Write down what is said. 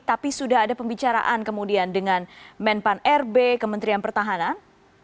tapi sudah ada pembicaraan kemudian dengan menpan rb kementerian pertahanan